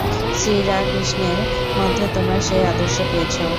শ্রীরাকৃষ্ণের মধ্যে তোমরা সেই আদর্শ পেয়েছ।